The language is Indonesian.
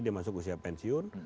dia masuk usia pensiun